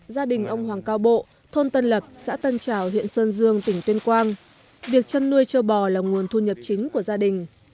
gia đình ông hoàng cao bộ thôn tân lập xã tân trào huyện sơn dương tỉnh tuyên quang việc chân nuôi châu bò là nguồn thu nhập chính của gia đình